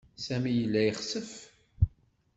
Sami yella yexsef.